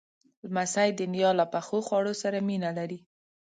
لمسی د نیا له پخو خواړو سره مینه لري.